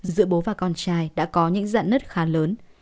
giữa bố và con trai đã có những giận nất khá lớn